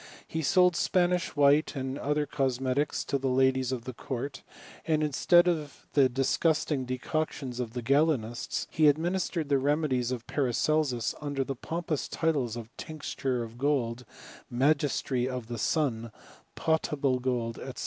He ■oM Spanish white, and other cosmetics, to the ladies of the court ; and instead of the disgusting decoctions of the Gralenists, he administered the remedies of Paracelsus under the pompous titles of tincture of goldy magistery of the sun, potable gold, &c.